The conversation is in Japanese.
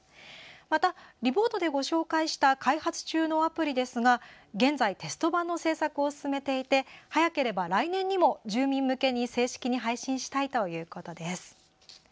また、リポートでご紹介した開発中のアプリですが現在、テスト版の制作を進めていて早ければ来年にも住民向けに正式に配信したいということです。